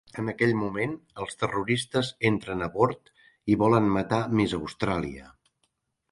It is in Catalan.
En aquell moment, els terroristes entren a bord i volen matar Miss Austràlia.